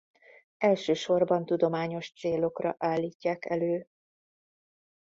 Elsősorban tudományos célokra állítják elő.